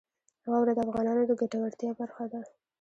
واوره د افغانانو د ګټورتیا برخه ده.